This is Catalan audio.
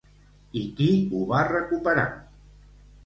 I qui ho va recuperar?